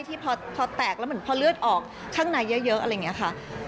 ที่พอแตกแล้วเหมือนพอเลือดออกข้างในเยอะอะไรอย่างนี้ค่ะ